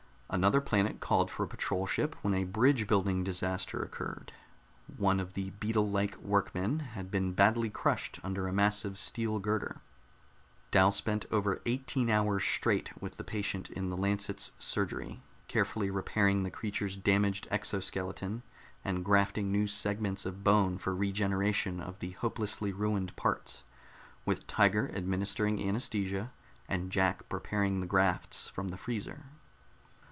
Another planet called for a patrol ship when a bridge building disaster occurred; one of the beetle like workmen had been badly crushed under a massive steel girder. Dal spent over eighteen hours straight with the patient in the Lancet's surgery, carefully repairing the creature's damaged exoskeleton and grafting new segments of bone for regeneration of the hopelessly ruined parts, with Tiger administering anaesthesia and Jack preparing the grafts from the freezer.